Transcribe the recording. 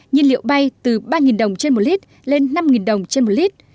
nhiên liệu bay từ ba đồng trên một lít lên năm đồng trên một lít